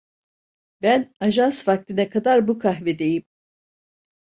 Ben ajans vaktine kadar bu kahvedeyim.